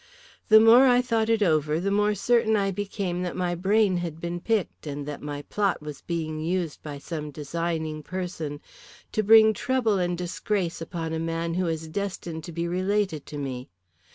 "The more I thought it over the more certain I became that my brain had been picked, and that my plot was being used by some designing person to bring trouble and disgrace upon a man who is destined to be related to me.